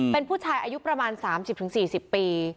เป็นผู้ชายอายุประมาณ๓๐๔๐ปี